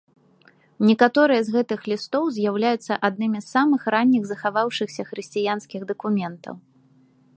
Некаторыя з гэтых лістоў з'яўляюцца аднымі з самых ранніх захаваўшыхся хрысціянскіх дакументаў.